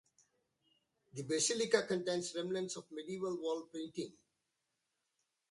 The basilica contains remnants of medieval wall painting.